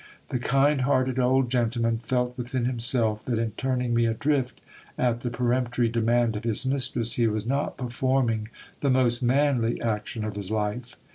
The kind hearted old gentleman felt within himself that in turning me adrift at the per emptory demand of his mistress, he was not performing the most manly action of his life.